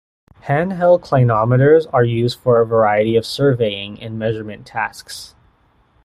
Hand-held clinometers are used for a variety of surveying and measurement tasks.